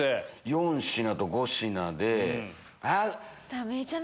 ４品と５品で。